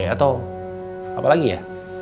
atau apa lagi ya